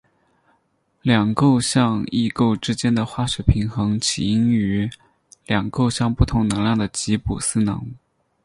两构象异构之间的化学平衡起因于两构象不同能量的吉布斯能。